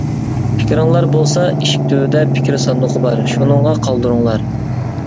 پىكرىڭلار بولسا، ئىشىك تۈۋىدە پىكىر ساندۇقى بار، شۇنىڭغا قالدۇرۇڭلار!